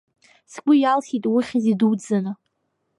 Сгәы иалсит иухьыз идуӡӡаны!